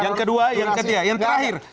yang kedua yang ketiga yang terakhir